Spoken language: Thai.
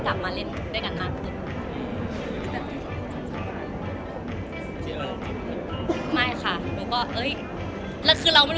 เพราะว่าจะเป็นซีรีส์อีกแล้วแต่ทุกคนคุยความไป